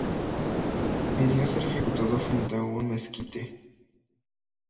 Pidió ser ejecutado frente a un mezquite.